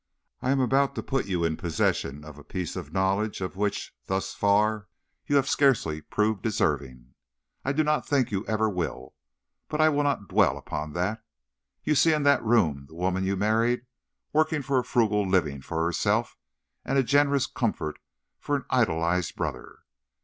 "I am about to put you in possession of a piece of knowledge of which, thus far, you have scarcely proved deserving. I do not think you ever will; but I will not dwell upon that. You see in that room the woman you married, working for a frugal living for herself, and a generous comfort for an idolized brother.